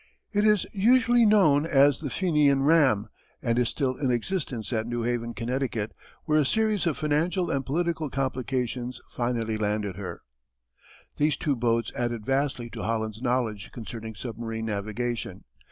It is usually known as the Fenian Ram, and is still in existence at New Haven, Connecticut, where a series of financial and political complications finally landed her. These two boats added vastly to Holland's knowledge concerning submarine navigation.